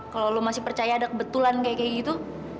kalau lo masih percaya ada kebetulan kayak kayak gitu